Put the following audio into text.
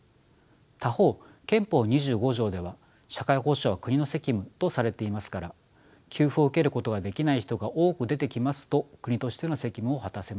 他方憲法２５条では社会保障は国の責務とされていますから給付を受けることができない人が多く出てきますと国としての責務を果たせません。